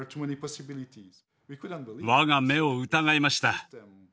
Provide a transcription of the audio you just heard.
我が目を疑いました。